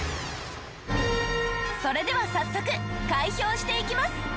それでは早速開票していきます。